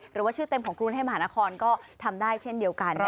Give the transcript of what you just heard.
หรือว่าชื่อเต็มของกรุงเทพมหานครก็ทำได้เช่นเดียวกัน